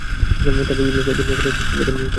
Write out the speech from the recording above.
তারপর ইবলীসকে দুনিয়ার ফেরেশতাদের প্রধান নিযুক্ত করেন।